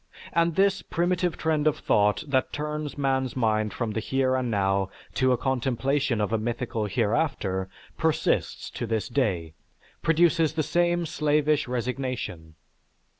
And this primitive trend of thought that turns man's mind from the here and now to a contemplation of a mythical hereafter persists to this day, produces the same slavish resignation.